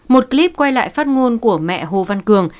một clip quay lại phát ngôn của mẹ hồ văn cường